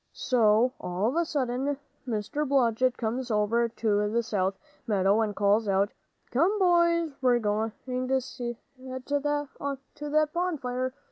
So all of a sudden Mr. Blodgett comes over to the south meadow and calls out, 'Come, boys, we're going to set to on that bonfire!'